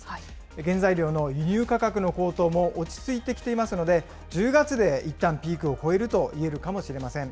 原材料の輸入価格の高騰も落ち着いてきていますので、１０月でいったんピークを超えるといえるかもしれません。